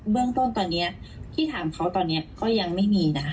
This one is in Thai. เรื่องต้นตอนนี้ที่ถามเขาตอนนี้ก็ยังไม่มีนะ